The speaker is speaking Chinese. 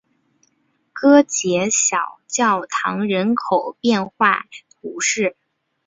戈捷小教堂人口变化图示